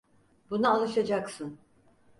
Buna alışacaksın.